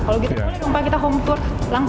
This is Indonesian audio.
kalau gitu boleh dong pak kita home tour langsung